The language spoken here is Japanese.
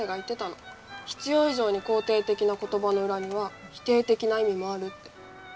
必要以上に肯定的な言葉の裏には否定的な意味もあるって。